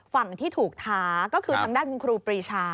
ฝั่งที่ถูกท้าก็คือทางด้านคุณครูปรีชา